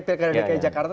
kalau ada putaran kedua